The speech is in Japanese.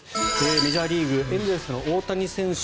メジャーリーグ、エンゼルスの大谷選手